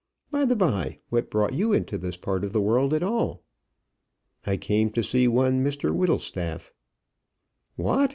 By the by, what brought you into this part of the world at all?" "I came to see one Mr Whittlestaff." "What!